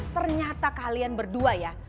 ternyata kalian berdua ya